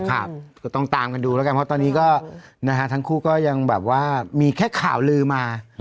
ก็ต้องตามกันดูแล้วกันเพราะตอนนี้ก็นะฮะทั้งคู่ก็ยังแบบว่ามีแค่ข่าวลือมา